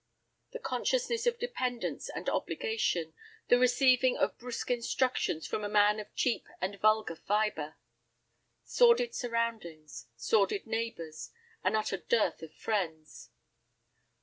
The consciousness of dependence and obligation, the receiving of brusque instructions from a man of cheap and vulgar fibre. Sordid surroundings, sordid neighbors, an utter dearth of friends.